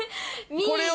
これを。